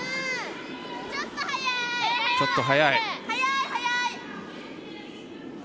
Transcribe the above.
ちょっと速い。